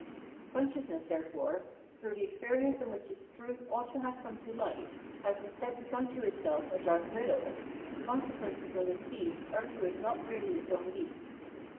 Consciousness, there fore, through the experience in which its truth ought to have come to light, has instead become to itself a dark riddle ; the consequences of its deeds are to it not really its own deeds.